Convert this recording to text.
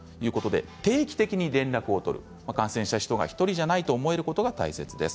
定期的に連絡を取る感染した人が１人じゃないと思えることが大切です。